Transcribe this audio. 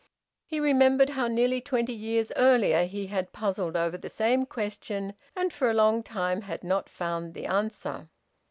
He remembered how nearly twenty years earlier he had puzzled over the same question and for a long time had not found the answer.